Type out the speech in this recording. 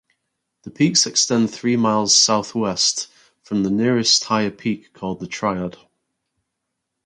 The peaks extend three miles southwest from the nearest higher peak called The Triad.